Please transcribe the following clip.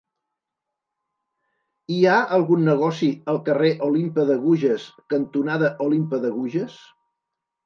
Hi ha algun negoci al carrer Olympe de Gouges cantonada Olympe de Gouges?